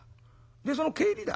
でその帰りだ。